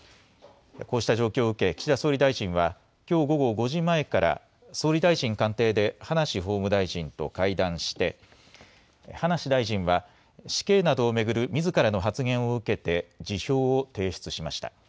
こうした状況を受け、岸田総理大臣はきょう午後５時前から総理大臣官邸で葉梨法務大臣と会談して、葉梨大臣は、死刑などを巡るみずからの発言を受けて、辞表を提出しました。